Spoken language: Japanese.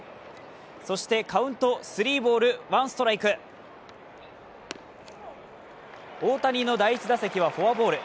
そしてカウント３ボール１ストライク大谷の第１打席はフォアボール。